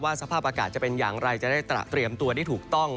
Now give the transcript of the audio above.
สภาพอากาศจะเป็นอย่างไรจะได้เตรียมตัวได้ถูกต้อง